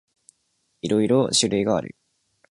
いろいろ種類がある。